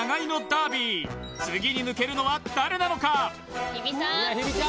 ダービー次に抜けるのは誰なのか？